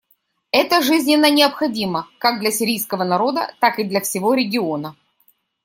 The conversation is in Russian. Это жизненно необходимо как для сирийского народа, так и для всего региона.